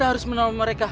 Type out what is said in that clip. saya harus membantu mereka